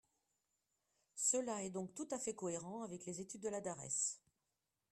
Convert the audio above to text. Cela est donc tout à fait cohérent avec les études de la DARES.